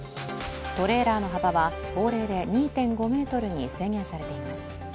トレーラーの幅は法令で２．５ｍに制限されています。